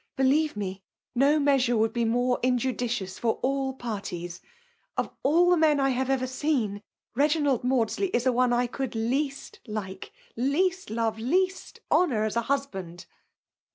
<' Believe me, no measure would be more injudicious for all parties. Of all the men I have ever seen^ Beginald Maudaley is the one I could lea^^. like, — least love, — ^least honour as a husband.'